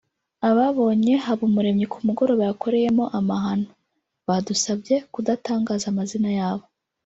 Ababonye Habumuremyi ku mugoroba yakoreyemo amahano (badusabye kudatangaza amazina yabo)